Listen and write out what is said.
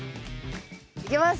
いきます。